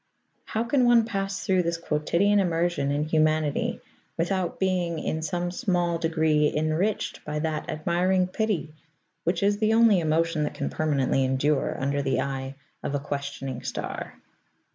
How can one pass through this quotidian immersion in humanity without being, in some small degree, enriched by that admiring pity which is the only emotion that can permanently endure under the eye of a questioning star?